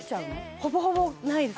「ほぼほぼないです」